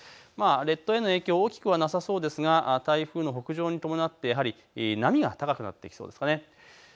列島への影響、大きくはなさそうですが台風の北上に伴ってやはり波が高くなってきそうですかね。